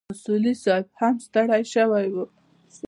اصولي صیب هم ستړی شوی و.